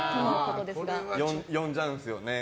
呼んじゃうんですよね。